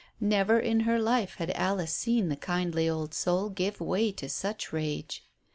Never in her life had Alice seen the kindly old soul give way to such rage.